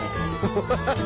ハハハハ！